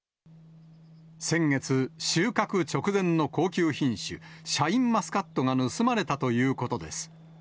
先月、収穫直前の高級品種、シャインマスカットが盗まれたということです。